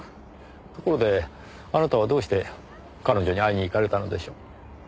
ところであなたはどうして彼女に会いにいかれたのでしょう？